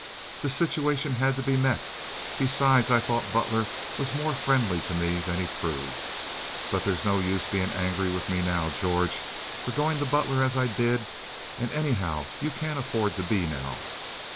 The situation had to be met. Besides, I thought Butler was more friendly to me than he proved. But there's no use being angry with me now, George, for going to Butler as I did, and anyhow you can't afford to be now.